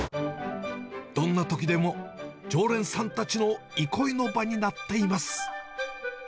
どんなときでも、常連さんたちの憩いの場になっています。